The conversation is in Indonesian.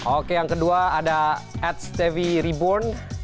oke yang kedua ada at stevi reborn